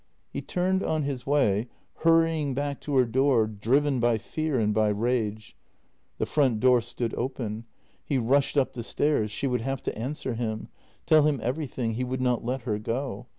He turned on his way, hurrying back to her door, driven by fear and by rage. The front door stood open. He rushed up the stairs — she would have to answer him — tell him every thing — he would not let her go.